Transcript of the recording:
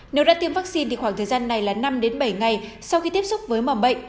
nếu đã tiêm vaccine thì khoảng thời gian này là năm bảy ngày sau khi tiếp xúc với mầm bệnh